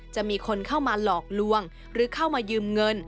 จะมีคนเข้ามาหลอกลวงหรือเข้ามายืมเงิน